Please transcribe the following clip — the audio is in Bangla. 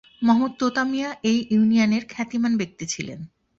মো: তোতা মিয়া এই ইউনিয়নের খ্যাতিমান ব্যক্তি ছিলেন।